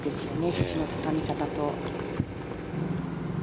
ひじの畳み方と。